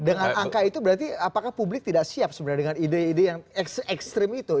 dengan angka itu berarti apakah publik tidak siap sebenarnya dengan ide ide yang ekstrim itu